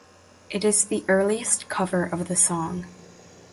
It is the earliest cover of the song.